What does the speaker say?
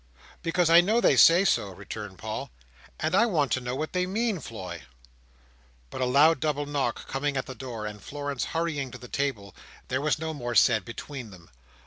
"Because I know they say so," returned Paul, "and I want to know what they mean, Floy." But a loud double knock coming at the door, and Florence hurrying to the table, there was no more said between them.